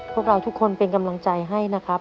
พวกเราทุกคนเป็นกำลังใจให้นะครับ